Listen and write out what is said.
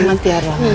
terima kasih arla